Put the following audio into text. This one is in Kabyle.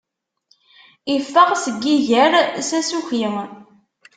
Iffeɣ seg iger s asuki.